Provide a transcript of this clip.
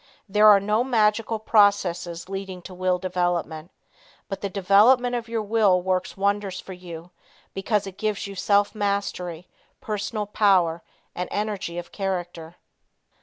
There are no magical processes leading to will development, but the development of your will works wonders for you because it gives you self mastery, personal power and energy of character.